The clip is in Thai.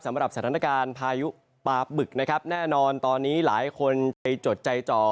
สำหรับสถานการณ์พายุปลาบึกนะครับแน่นอนตอนนี้หลายคนไปจดใจจ่อ